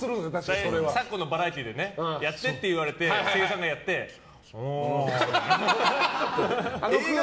昨今のバラエティーでやってって言われて声優さんがやっておおみたいな。